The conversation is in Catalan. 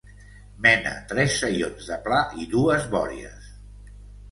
Mena tres saions de pla i dues bòries.